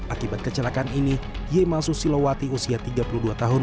akibat kecelakaan ini yema susilowati usia tiga puluh dua tahun